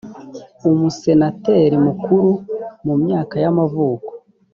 umusenateri mukuru mu myaka y amavuko